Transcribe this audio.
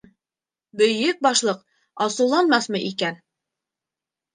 — Бөйөк Башлыҡ асыуланмаҫмы икән?..